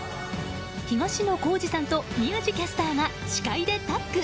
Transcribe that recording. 東野幸治さんと宮司キャスターが司会でタッグ。